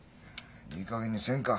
いいかげんにせんか。